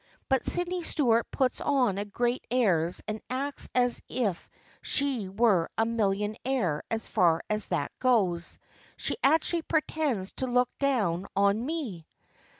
But Sydney Stuart puts on great airs and acts as if she were a millionaire as far as that goes. She actually pretends to look down on me